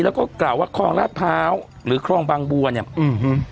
แล้วก็กล่าวว่าคลองลาดพร้าวหรือคลองบางบัวเนี่ยอืม